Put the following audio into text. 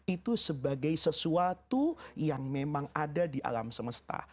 itu sebagai sesuatu yang memang ada di alam semesta